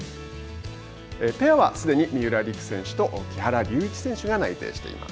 ペアはすでに三浦璃来選手と木原龍一選手が内定しています。